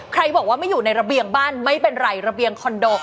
บอกว่าไม่อยู่ในระเบียงบ้านไม่เป็นไรระเบียงคอนโด